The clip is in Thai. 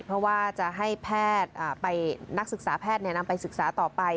เพราะว่าจะให้แพทย์นักศึกษาแพทย์นำไปศึกษาต่อไป